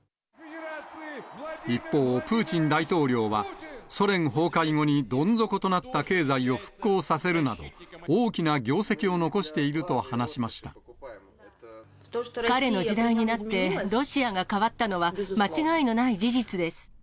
一方、プーチン大統領は、ソ連崩壊後にどん底となった経済を復興させるなど、大きな業績を彼の時代になって、ロシアが変わったのは、間違いのない事実です。